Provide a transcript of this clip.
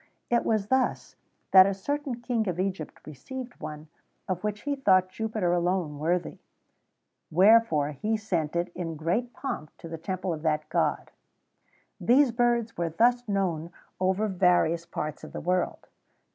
[XVII 116] It was thus[XVII 117] that a certain king of Egypt received one, of which he thought Jupiter alone worthy; wherefore he sent it in great pomp to the temple of that god.[XVII 118] These birds were thus known over various parts of the world.